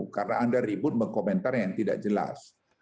karena anda ribut mengkomentarnya yang tidak jelas